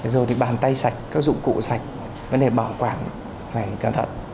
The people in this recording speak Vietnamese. rồi thì bàn tay sạch các dụng cụ sạch vấn đề bảo quản phải cẩn thận